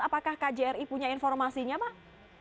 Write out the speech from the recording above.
apakah kjri punya informasinya pak